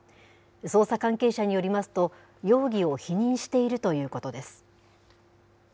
捜査関係者によりますと、容疑を否認しているということです。